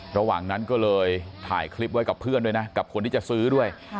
ระหว่างนั้นก็เลยถ่ายคลิปไว้กับเพื่อนด้วยนะกับคนที่จะซื้อด้วย